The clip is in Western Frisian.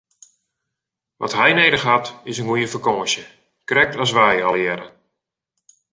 Wat hy nedich hat is in goede fakânsje, krekt as wy allegearre!